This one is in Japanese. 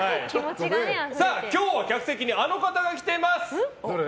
今日は客席にあの方が来てます。